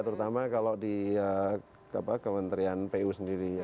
terutama kalau di kementerian pu sendiri ya